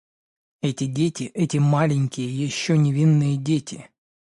Эти дети, эти маленькие, еще невинные дети.